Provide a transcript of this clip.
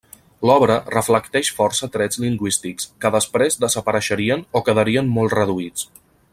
L'obra reflecteix força trets lingüístics que després desapareixerien o quedarien molt reduïts.